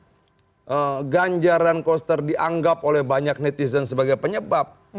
karena ganjar dan koster dianggap oleh banyak netizen sebagai penyebab